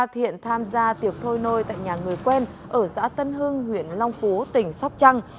thiện tham gia tiệc thôi nôi tại nhà người quen ở giã tân hưng huyện long phú tỉnh sóc trăng